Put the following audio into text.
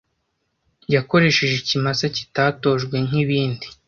yakoresheje ikimasa kitatojwe nkibindi